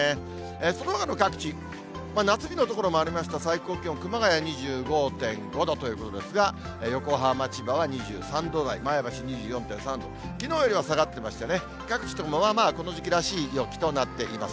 そのほかの各地、夏日の所もありました、最高気温、熊谷２５．５度ということですが、横浜、千葉は２３度台、前橋２４．３度、きのうよりは下がってましてね、各地ともまあままこの時期らしい陽気となっています。